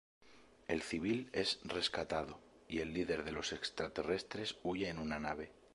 El civil es rescatado, y el líder de los extraterrestres huye en una nave.